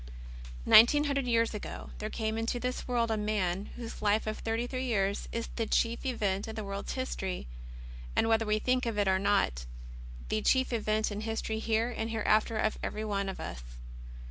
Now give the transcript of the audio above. * Nineteen hundred years ago there came into this world a Man whose Life of thirty three years is the chief event in the world's history, and — whether we think of it or not — ^the chief event in the history here and hereafter of every one of us.